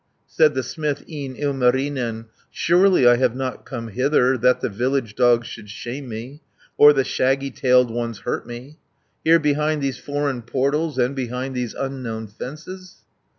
Said the smith, e'en Ilmarinen, "Surely I have not come hither That the village dogs should shame me, Or the shaggy tailed ones hurt me, Here behind these foreign portals, And behind these unknown fences."